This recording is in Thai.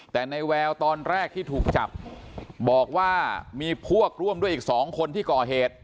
แต่ในแววตอนแรกที่ถูกจับบอกว่ามีพวกร่วมด้วยอีก๒คนที่ก่อเหตุ